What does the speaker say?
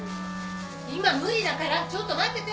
今無理だからちょっと待ってて。